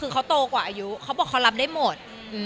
คือเขาโตกว่าอายุเขาบอกเขารับได้หมด